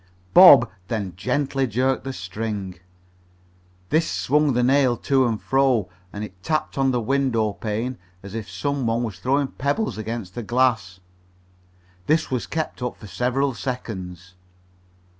Bob then gently jerked the string. This swung the nail to and fro, and it tapped on the window pane as if some one was throwing pebbles against the glass. This was kept up for several seconds.